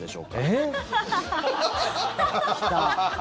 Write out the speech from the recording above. えっ？来た。